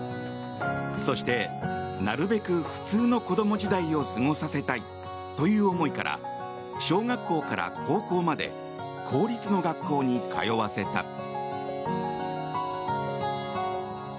そして、なるべく普通の子供時代を過ごさせたいという思いから小学校から高校まで公立の学校に通わせた。